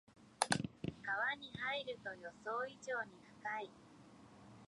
川に入ると予想以上に深い